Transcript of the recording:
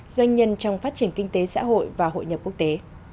doanh nhân trong phát triển kinh tế xã hội và hội nhập quốc tế